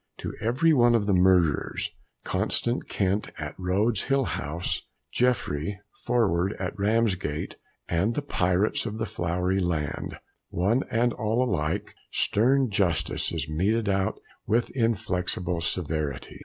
To every one of the murderers, Constance Kent at Road hill house, Jeffery, Forward, at Ramsgate, and the Pirates of the "Flowery Land," one and all alike, stern justice is meted out with inflexible severity.